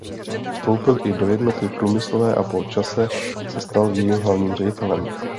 Vstoupil i do Jednoty průmyslové a po čase se stal jejím hlavním ředitelem.